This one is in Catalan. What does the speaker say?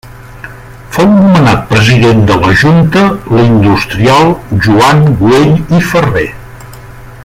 Fou nomenat president de la Junta l'industrial Joan Güell i Ferrer.